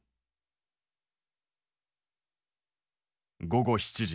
午後７時。